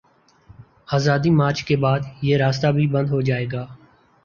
آزادی مارچ کے بعد، یہ راستہ بھی بند ہو جائے گا۔